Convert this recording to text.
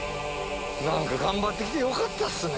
何か頑張って来てよかったっすね。